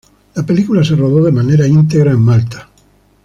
La película se rodó de manera íntegra en Malta.